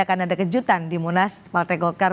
akan ada kejutan di munas partai golkar